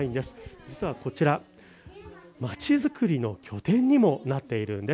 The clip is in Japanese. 実はこちら、まちづくりの拠点にもなっているんです。